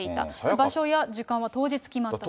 場所や時間は当日決まったと。